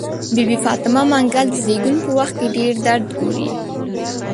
بي بي فاطمه منګل د زيږون په وخت کې ډير درد ګوري.